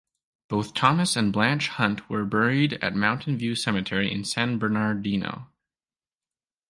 Both Thomas and Blanche Hunt were buried at Mountain View Cemetery in San Bernardino.